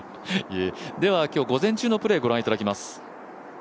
今日午前中のプレーご覧いただきます。